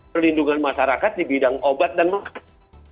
perlindungan masyarakat di bidang obat dan makan